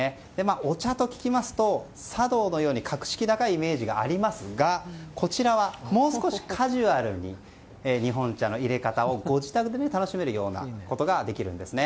お茶と聞きますと、茶道のように格式高いイメージがありますがこちらは、もう少しカジュアルに日本茶の入れ方をご自宅で楽しむことができるんですね。